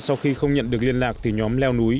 sau khi không nhận được liên lạc thì nhóm leo núi